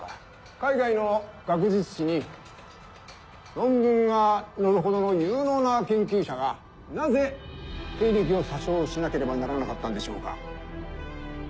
海外の学術誌に論文が載るほどの有能な研究者がなぜ経歴を詐称しなければならなかったんでしょうか？